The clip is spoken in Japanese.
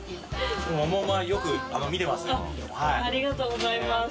茜Ｄ）ありがとうございます。